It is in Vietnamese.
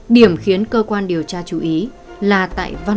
điểm khiến cơ quan điều tra chú ý là tại văn